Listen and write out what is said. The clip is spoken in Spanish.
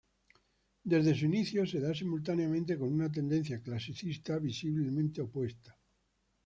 Desde su inicio se da simultáneamente con una tendencia clasicista visiblemente opuesta.